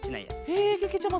へえけけちゃま